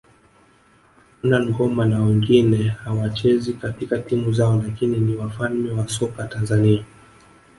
Donald Ngoma na wengine hawachezi katika timu zao lakini ni wafalme wa soka Tanzania